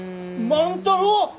万太郎！？